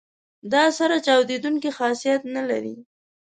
دا سره چاودیدونکي خاصیت نه لري.